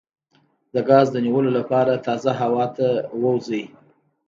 د ګاز د نیولو لپاره تازه هوا ته ووځئ